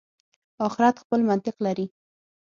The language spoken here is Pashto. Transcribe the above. آخرت خپل منطق لري.